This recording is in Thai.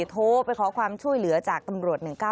โทรไปขอความช่วยเหลือจากตำรวจ๑๙๑